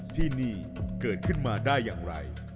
ที่นี่เกิดขึ้นมาได้อย่างไร